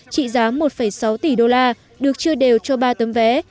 trị giá một sáu tỷ đô la được chia đều cho ba tấm vé